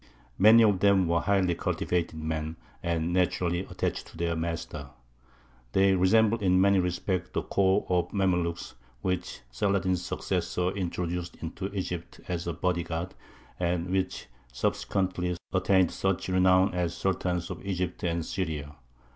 Many of them were highly cultivated men, and naturally attached to their master. They resembled in many respects the corps of Mamlūks which Saladin's successors introduced into Egypt as a body guard, and which subsequently attained such renown as Sultans of Egypt and Syria.